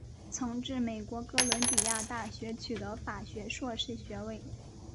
曾至美国哥伦比亚大学取得法学硕士学位。